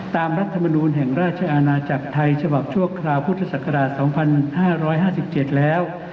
รัฐมนูลแห่งราชอาณาจักรไทยฉบับชั่วคราวพุทธศักราช๒๕๕๗แล้ว